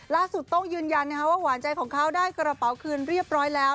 โต้งยืนยันว่าหวานใจของเขาได้กระเป๋าคืนเรียบร้อยแล้ว